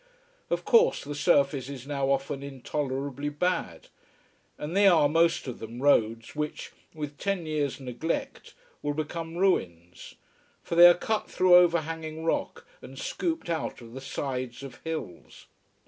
Of course, the surface is now often intolerably bad. And they are most of them roads which, with ten years' neglect, will become ruins. For they are cut through overhanging rock and scooped out of the sides of hills.